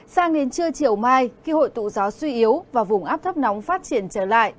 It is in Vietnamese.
sang đến trưa chiều mai khi hội tụ gió suy yếu và vùng áp thấp nóng phát triển trở lại